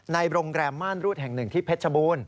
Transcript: ในโรงแรมม่านรูดแห่งหนึ่งที่เพชรบูรณ